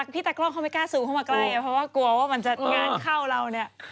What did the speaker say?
พี่ตากล้องเขาไม่กล้าซื้อเข้ามาใกล้เพราะว่ากลัวว่ามันจะงานเข้าเราเนี่ย